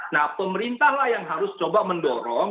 nah pemerintah lah yang harus coba mendorong